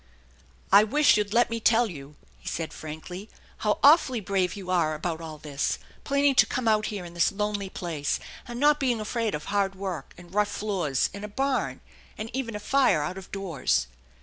" I wish you'd let me tell you," he said frankly, " how awfully brave you are about all this, planning to come out here in this lonely place, and not being afraid of hard work, and rough floors, and a barn, and even a fire out of doors."